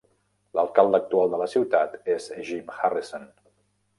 L'alcalde actual de la ciutat és Jim Harrison.